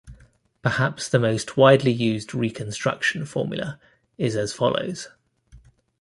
Perhaps the most widely used reconstruction formula is as follows.